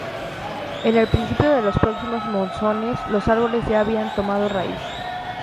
En el inicio de los próximos monzones los árboles ya habían tomado raíz.